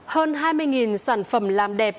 hơn hai mươi sản phẩm làm đẹp